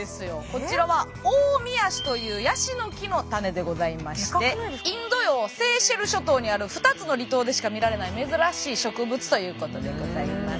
こちらはオオミヤシというヤシの木のタネでございましてインド洋セーシェル諸島にある２つの離島でしか見られない珍しい植物ということでございます。